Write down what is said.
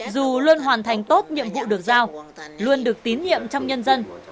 dù luôn hoàn thành tốt nhiệm vụ được giao luôn được tín nhiệm trong nhân dân